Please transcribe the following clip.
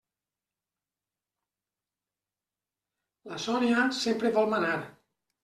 La Sònia sempre vol manar.